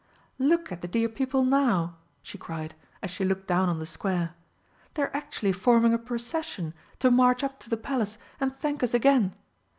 "Look at the dear people now!" she cried, as she looked down on the square, "they're actually forming a procession to march up to the Palace and thank us again!...